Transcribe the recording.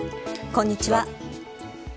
こんにちは。